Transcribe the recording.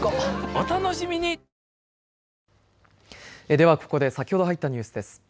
ではここで先ほど入ったニュースです。